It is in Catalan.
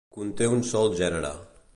Conté un sol gènere.